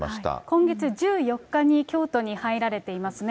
今月１４日に京都に入られていますね。